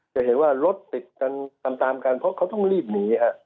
จะเห็นว่ารถติดตามกันเพราะเขาต้องรีบหนี